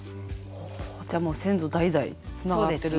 ほじゃあもう先祖代々つながってる。